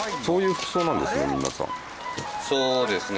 そうですね。